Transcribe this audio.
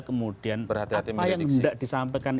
kemudian apa yang hendak disampaikan